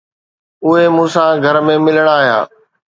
اهي مون سان گهر ۾ ملڻ آيا.